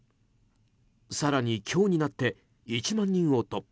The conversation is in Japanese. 更に今日になって１万人を突破。